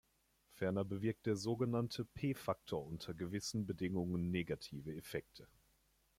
Ferner bewirkt der so genannte P-Faktor unter gewissen Bedingungen negative Effekte.